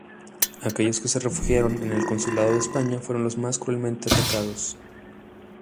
Aquellos que se refugiaron en el consulado de España fueron los más cruelmente atacados.